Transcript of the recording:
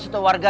cepet pak rt